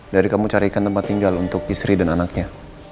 dari kamu carikan tempat tinggal untuk istri dan anaknya